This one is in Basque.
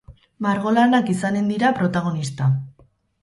Margolanak izanen dira protagonista.